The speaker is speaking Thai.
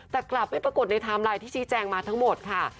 แต่กลับไม่ปรากฏในไทม์ไลน์ที่ชี้แจงมาทั้งหมดค่ะ